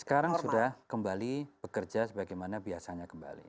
sekarang sudah kembali bekerja sebagaimana biasanya kembali